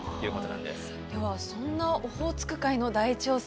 ではそんなオホーツク海の大調査